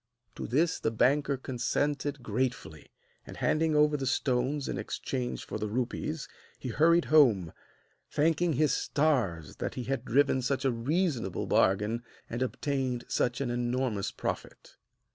To this the banker consented gratefully; and handing over the stones in exchange for the rupees, he hurried home, thanking his stars that he had driven such a reasonable bargain and obtained such an enormous profit.